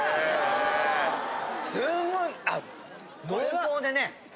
すっごいあ濃厚でね。